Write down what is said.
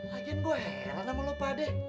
lagian gue heran sama lo pak deh